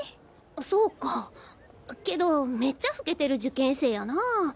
そうかけどめっちゃ老けてる受験生やなぁ。